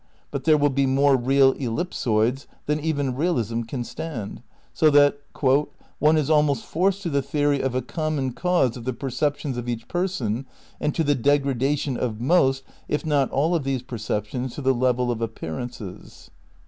But there will be more real ellipsoids than even realism can stand. So that "one is almost forced to the theory of a common cause of the perceptions of each person and to the degradation of most if not all of these perceptions to the level of appearances."